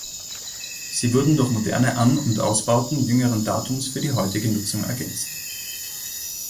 Sie wurden durch moderne An- und Ausbauten jüngeren Datums für die heutige Nutzung ergänzt.